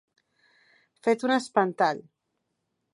Fet un espantall.